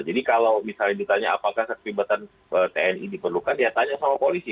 jadi kalau misalnya ditanya apakah kesepibatan tni diperlukan ya tanya sama polisi